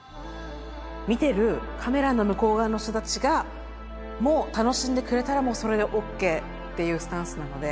見てるカメラの向こう側の人たちがもう楽しんでくれたらそれでＯＫっていうスタンスなので。